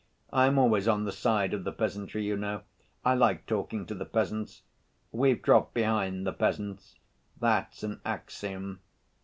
I am always on the side of the peasantry, you know. I like talking to the peasants.... We've dropped behind the peasants—that's an axiom.